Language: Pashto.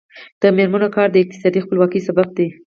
د میرمنو کار د اقتصادي خپلواکۍ سبب دی.